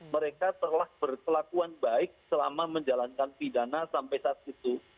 mereka telah berkelakuan baik selama menjalankan pidana sampai saat itu